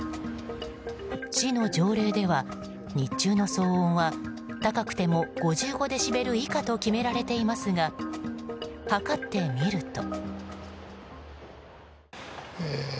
市の条例では、日中の騒音は高くても５５デシベル以下と決められていますが測ってみると。